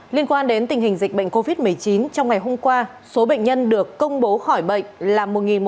liên quan đến tình hình dịch bệnh covid một mươi chín trong ngày hôm qua số bệnh nhân được công bố khỏi bệnh là một một trăm chín mươi một